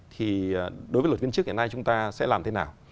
thì đối với luật viên trước ngày nay chúng ta sẽ làm thế nào